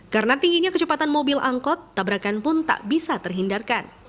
karena tingginya kecepatan mobil angkot tabrakan pun tak bisa terhindarkan